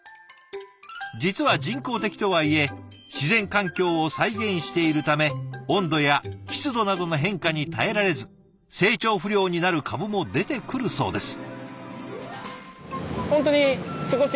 実は人工的とはいえ自然環境を再現しているため温度や湿度などの変化に耐えられず成長不良になる株も出てくるそうです。